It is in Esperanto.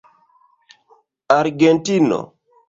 argentino